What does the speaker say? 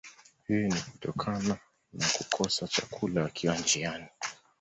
Hii ni kutokana na kukosa chakula wakiwa njiani